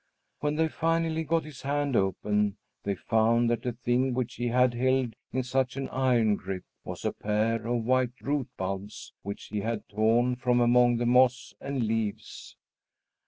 When they finally got his hand open, they found that the thing which he had held in such an iron grip was a pair of white root bulbs, which he had torn from among the moss and leaves.